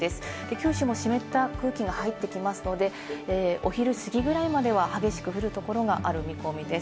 九州も湿った空気が入ってきますので、お昼過ぎぐらいまでは激しく降るところがある見込みです。